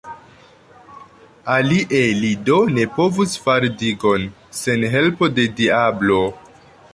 Alie li do ne povus fari digon, sen helpo de diablo!